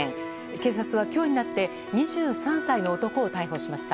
警察は今日になって２３歳の男を逮捕しました。